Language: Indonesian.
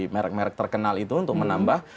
merek merek terkenal itu untuk menambah